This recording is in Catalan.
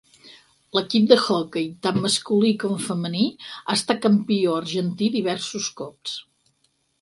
L'equip d'hoquei, tant masculí com femení, ha estat campió argentí diversos cops.